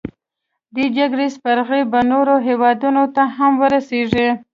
دې جګړې سپرغۍ به نورو هیوادونو ته هم ورسیږي.